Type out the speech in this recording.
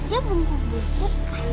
kamu mau counter kan